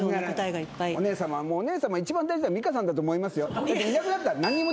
一番大事なの美香さんだと思いますよ。